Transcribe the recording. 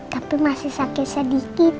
tapi masih sakit sedikit